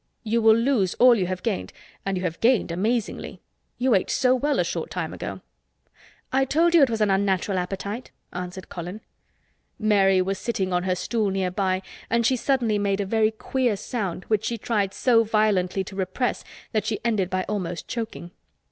You will lose all you have gained—and you have gained amazingly. You ate so well a short time ago." "I told you it was an unnatural appetite," answered Colin. Mary was sitting on her stool nearby and she suddenly made a very queer sound which she tried so violently to repress that she ended by almost choking.